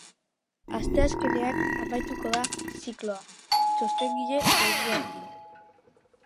Asteazkenean amaituko da zikloa, txostengile berdinarekin.